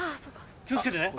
気を付けてね。